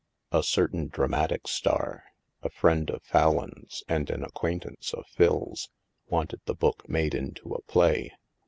A certain dramatic star — a friend of Fallon's and an acquaintance of PhiFs — wanted the book made into a play.